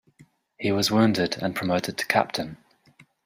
He was wounded and promoted to captain.